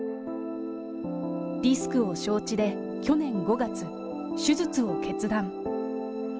リスクを承知で去年５月、手術を決断。